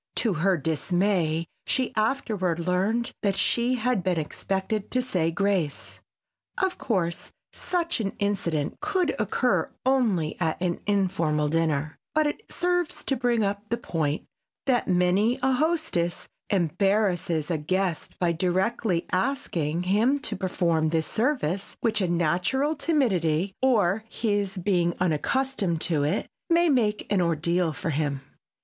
To her dismay she afterward learned that she had been expected to say grace. Of course, such an incident could occur only at an informal dinner, but it serves to bring up the point that many a hostess embarrasses a guest by directly asking him to perform this service which a natural timidity or his being unaccustomed to it may make an ordeal for him.